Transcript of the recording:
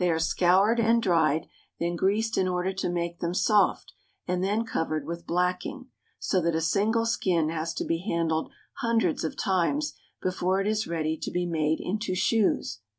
are scoured and dried, then greased in order to make them soft, and then covered with blacking, — so that a single skin has to be handled hundreds of times before it is ready to be made into shoes..